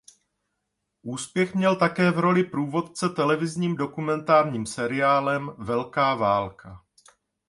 Úspěch měl také v roli průvodce televizním dokumentárním seriálem "Velká válka".